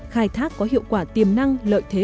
khai thác có hiệu quả tiềm năng lợi thế